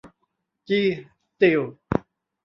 จี สตีล